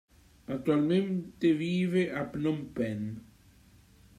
Attualmente vive a Phnom Penh.